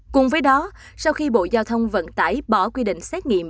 cùng với đó sau khi bộ giao thông vận tải bỏ quy định xét nghiệm